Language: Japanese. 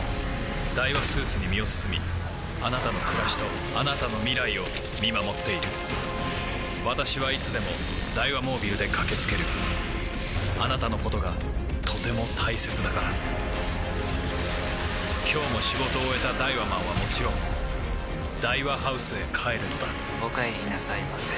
ダイワスーツに身を包みあなたの暮らしとあなたの未来を見守っている私はいつでもダイワモービルで駆け付けるあなたのことがとても大切だから今日も仕事を終えたダイワマンはもちろんダイワハウスへ帰るのだお帰りなさいませ。